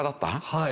はい。